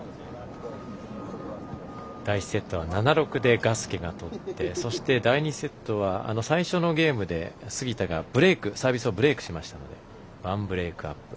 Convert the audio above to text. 第１セットは７−６でガスケがとってそして、第２セットは最初のゲームで杉田がサービスをブレークしましたので１ブレークアップ。